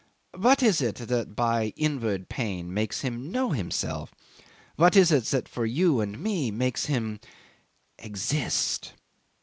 What is it that by inward pain makes him know himself? What is it that for you and me makes him exist?"